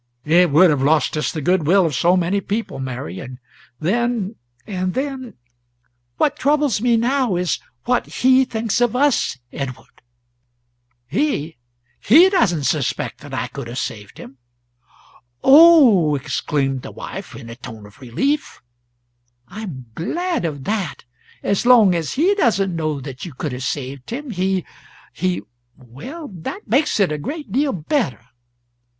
"It would have lost us the good will of so many people, Mary; and then and then " "What troubles me now is, what he thinks of us, Edward." "He? He doesn't suspect that I could have saved him." "Oh," exclaimed the wife, in a tone of relief, "I am glad of that. As long as he doesn't know that you could have saved him, he he well that makes it a great deal better.